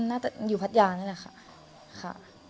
น่าจะอยู่พัทยานี่แหละค่ะ